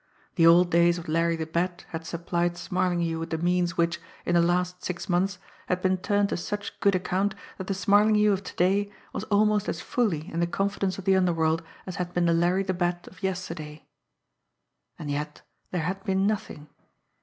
The old days of Larry the Bat had supplied Smarlinghue with the means which, in the last six months, had been turned to such good account that the Smarlinghue of to day was almost as fully in the confidence of the underworld as had been the Larry the Bat of yesterday. And yet there had been nothing!